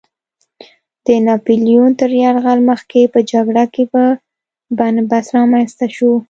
د ناپیلیون تر یرغل مخکې په جګړه کې بن بست رامنځته شو.